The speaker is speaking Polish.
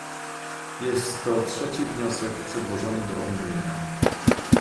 Jest to trzeci wniosek przedłożony do omówienia